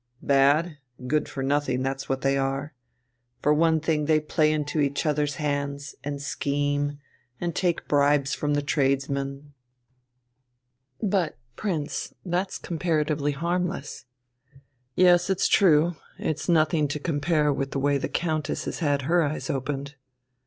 "Bad? Good for nothing, that's what they are. For one thing they play into each other's hands, and scheme, and take bribes from the tradesmen " "But, Prince, that's comparatively harmless." "Yes, true, it's nothing to compare with the way the Countess has had her eyes opened."